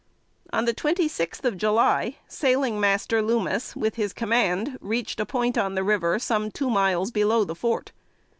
On the twenty sixth of July, Sailing Master Loomis, with his command, reached a point on the river some two miles below the fort.